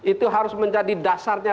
itu harus menjadi dasarnya